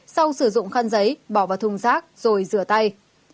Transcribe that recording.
sau sử dụng khăn giấy bỏ vào thùng rác rồi rửa tay